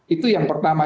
itu yang pertama